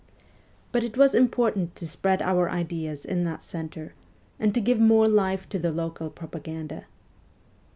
But it was important to spread our ideas in that centre, and to give more life to the local propaganda.